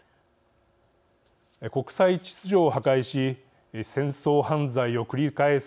国際秩序を破壊し戦争犯罪を繰り返す